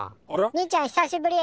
兄ちゃん久しぶり。